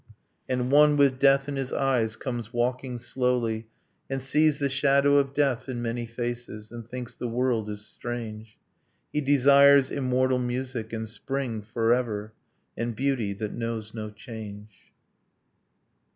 And one, with death in his eyes, comes walking slowly And sees the shadow of death in many faces, And thinks the world is strange. He desires immortal music and spring forever, And beauty that knows no change.